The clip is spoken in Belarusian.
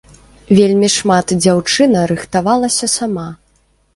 Вельмі шмат дзяўчына рыхтавалася сама.